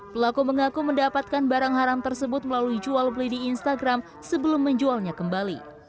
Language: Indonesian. pelaku mengaku mendapatkan barang haram tersebut melalui jual beli di instagram sebelum menjualnya kembali